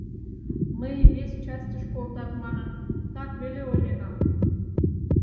Мый, вес частьыш колтат манын, так веле ойленам.